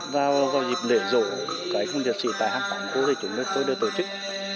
vào dịp lễ rỗ các anh hùng liệt sĩ tại hang tám cô thì chúng tôi đã tổ chức